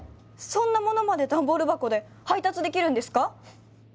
そんな物までダンボール箱で配達できるんですか！？